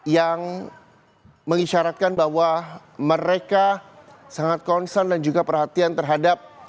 yang mengisyaratkan bahwa mereka sangat concern dan juga perhatian terhadap